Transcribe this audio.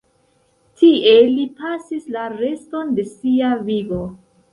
Tie li pasis la reston de sia vivo.